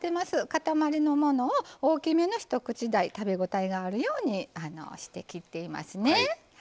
塊のものを大きめの一口大食べ応えがあるようにして切っていますね。